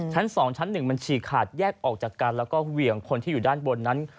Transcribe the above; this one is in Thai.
ชั้น๒ชั้น๑มันฉีกขาดแยกออกจากกันแล้วก็เหวี่ยงคนที่อยู่ด้านบนนั้น